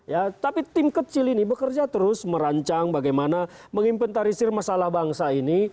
ya tapi tim kecil ini bekerja terus merancang bagaimana mengimpentarisir masalah bangsa ini